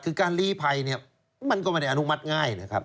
คือการลีภัยเนี่ยมันก็ไม่ได้อนุมัติง่ายนะครับ